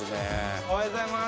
おはようございます。